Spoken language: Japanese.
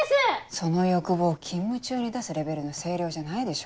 その欲望勤務中に出すレベルの声量じゃないでしょ。